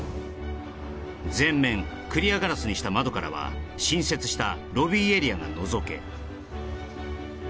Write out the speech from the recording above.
全面クリアガラスにした窓からは新設したロビーエリアがのぞけ